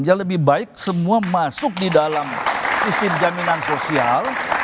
yang lebih baik semua masuk di dalam sistem jaminan sosial